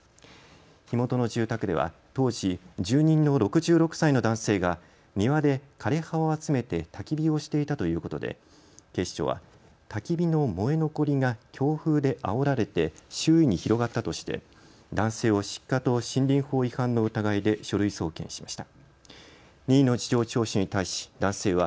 火元の住宅では当時、住人の６６歳の男性が庭で枯れ葉を集めてたき火をしていたということで警視庁はたき火の燃え残りが強風であおられて周囲に広がったとして男性を失火と森林法違反の疑いで書類送検しました。